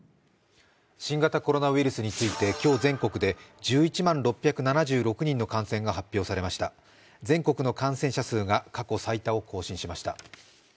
新型コロナウイルスについて、今日、全国で１１万６７６人の感染が発表されました全国の感染者数が過去最多を更新しました。